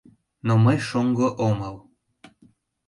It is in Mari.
Но мый шоҥго омыл.